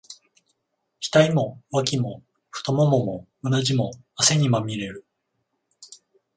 額も、脇も、太腿も、うなじも、汗にまみれる。